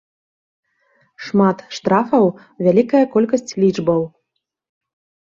Шмат штрафаў, вялікая колькасць лічбаў.